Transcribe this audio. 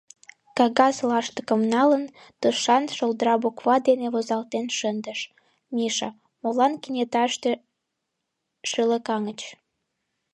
Кагаз лаштыкым налын, тушан шолдра буква дене возалтен шындыш: «Миша, молан кенеташте шӱлыкаҥыч?»